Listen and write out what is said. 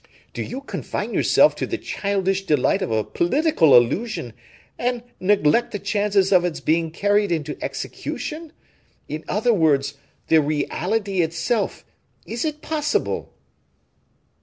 Do you confine yourself to the childish delight of a political illusion, and neglect the chances of its being carried into execution; in other words, the reality itself, is it possible?"